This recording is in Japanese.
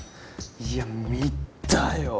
いや見たよ。